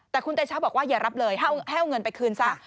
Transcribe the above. แต่คุณเตชะบอกว่าอย่ารับเลยให้เอาเงินไปคืนซะ